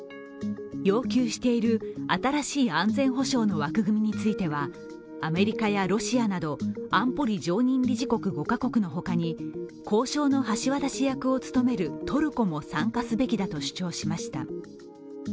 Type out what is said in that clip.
要求している新しい安全保障の枠組みについてはアメリカやロシアなど、安保理常任理事国５カ国のほかに交渉の橋渡し役を務めるトルコも参加すべきだと主張しました。